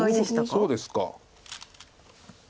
そうですか。